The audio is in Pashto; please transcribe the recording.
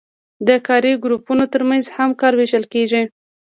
د کاري ګروپونو ترمنځ هم کار ویشل کیږي.